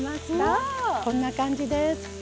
わあ！こんな感じです。